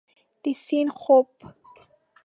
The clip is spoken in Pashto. د سیند خوب